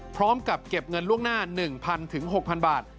พร้อมกับเก็บเงินล่วงหน้า๑๐๐๖๐๐บาท